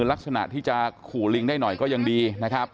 ลักษณะที่จะขู่ลิงได้หน่อยก็ยังดีนะครับ